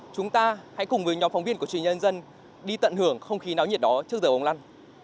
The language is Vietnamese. chúng ta hãy cùng với nhóm phóng viên của truyền nhân dân đi tận hưởng không khí náo nhiệt đó trước giờ bóng lăn